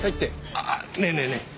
あっねえねえねえ